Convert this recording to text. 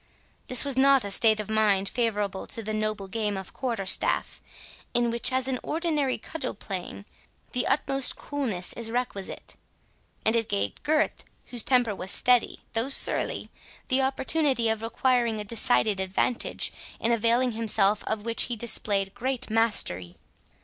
This was not a state of mind favourable to the noble game of quarter staff, in which, as in ordinary cudgel playing, the utmost coolness is requisite; and it gave Gurth, whose temper was steady, though surly, the opportunity of acquiring a decided advantage, in availing himself of which he displayed great mastery.